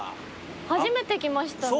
初めて来ましたね。